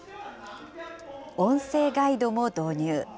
音声ガイドも導入。